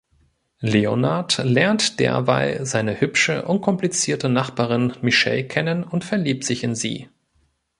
Leonard lernt derweil seine hübsche, unkomplizierte Nachbarin Michelle kennen und verliebt sich in sie.